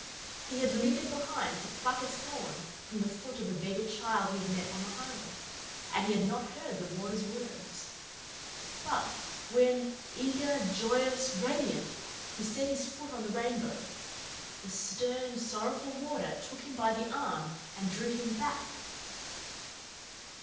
He had lingered behind to pluck a thorn from the foot of a beggar child he had met on the highway, and he had not heard the Warder's words. But when, eager, joyous, radiant, he set his foot on the rainbow, the stern, sorrowful Warder took him by the arm and drew him back.